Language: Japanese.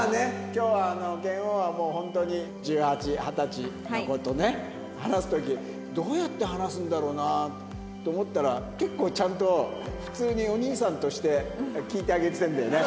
今日は拳王はもうホントに１８２０の子とね話す時どうやって話すんだろうなと思ったら結構ちゃんと普通にお兄さんとして聞いてあげてたんだよね。